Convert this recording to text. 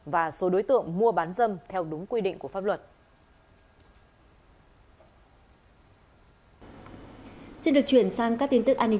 và số đối tượng mua bán dâm theo đúng quy định của pháp luật